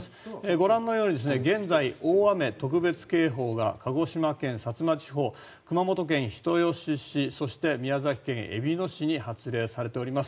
ご覧のように現在、大雨特別警報が鹿児島県薩摩地方熊本県人吉市そして宮崎県えびの市に発令されています。